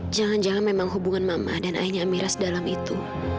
jangan jangan hubungan mama dan aini amira dalam itu